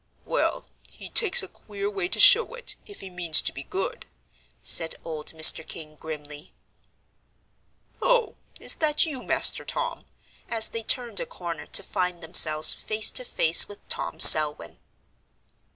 "Well, he takes a queer way to show it, if he means to be good," said old Mr. King, grimly. "Oh, is that you, Master Tom?" as they turned a corner to find themselves face to face with Tom Selwyn.